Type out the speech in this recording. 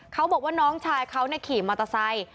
เขาบอกว่าน้องชายเขาขี่มอเตอร์ไซค์